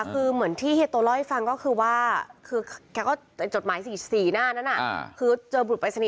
ตอนที่แม่เขาเสียเขาได้บอกเพื่อนไหม